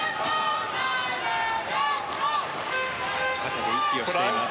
肩で息をしています。